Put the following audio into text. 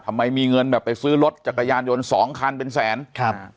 ทำไมมีเงินแบบไปซื้อรถจักรยานยนต์สองคันเป็นแสนครับ